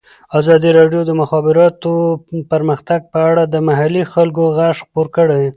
ازادي راډیو د د مخابراتو پرمختګ په اړه د محلي خلکو غږ خپور کړی.